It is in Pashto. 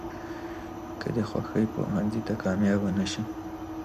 ،که د خوښې پوهنځۍ ته کاميابه نشم.